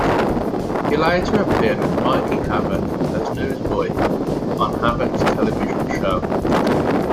He later appeared with Mikey Havoc, as Newsboy, on Havoc's television show.